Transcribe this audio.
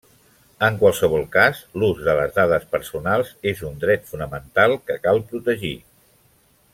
En qualsevol cas, l'ús de les dades personals és un dret fonamental que cal protegir.